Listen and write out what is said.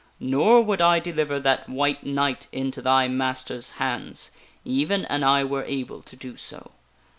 Nor would I deliver that White Knight into thy master's hands, even an I were able to do so.